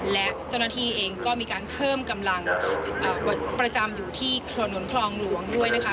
และเจ้าหน้าที่เองก็มีการเพิ่มกำลังประจำอยู่ที่ถนนคลองหลวงด้วยนะคะ